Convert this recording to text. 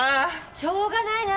しょうがないな。